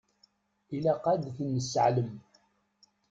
Ilaq ad ten-nesseɛlem.